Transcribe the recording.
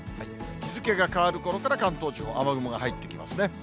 日付が変わるころから関東地方、雨雲が入ってきますね。